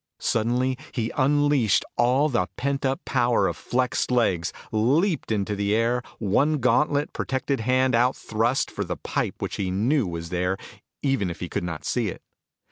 Suddenly, he unleashed all the pent up power of flexed legs, leaped into the air, one gauntlet protected hand out thrust for the pipe which he knew was there even if he could not see it.